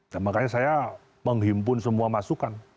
dan makanya saya menghimpun semua masukan